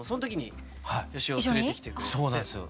そうなんですよ。